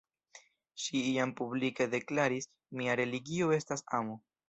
Ŝi jam publike deklaris, «mia religio estas amo».